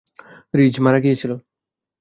Ridge মারা গিয়েছিলো।